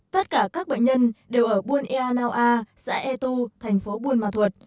tất cả các bệnh nhân đều ở buôn ea nao a xã e tu tp buôn ma thuật